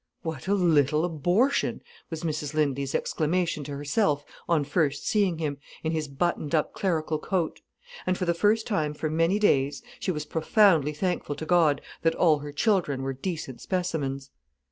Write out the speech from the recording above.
"What a little abortion!" was Mrs Lindley's exclamation to herself on first seeing him, in his buttoned up clerical coat. And for the first time for many days, she was profoundly thankful to God that all her children were decent specimens.